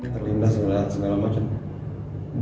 terlindah segala macam